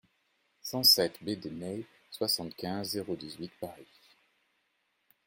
cent sept bD NEY, soixante-quinze, zéro dix-huit, Paris